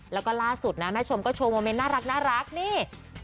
แล้วก็ล่าสุดนะแม่ชมก็โชว์โมเมนต์น่ารักนี่